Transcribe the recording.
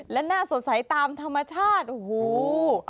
และน่าสดใสตามธรรมชาติโอ้โห